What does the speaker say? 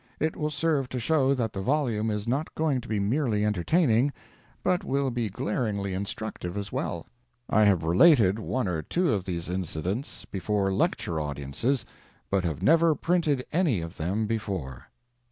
It will serve to show that the volume is not going to be merely entertaining, but will be glaringly instructive as well. I have related one or two of these incidents before lecture audiences but have never printed any of them before.